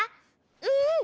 うん。